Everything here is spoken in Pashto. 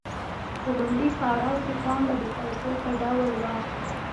په لومړي پړاو کې پانګه د پیسو په ډول وه